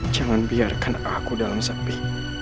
jangan biarkan aku dalam sepi